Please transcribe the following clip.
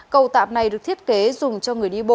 cầu tạm này được thiết kế dùng cho người đi bộ